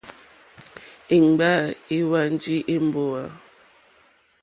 Èmgbâ èhwánjì èmbówà.